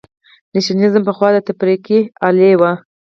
نېشنلېزم پخوا د تفرقې الې وه.